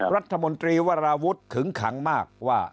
รัฐมนตรีวราวุฒิขึงขังมากว่า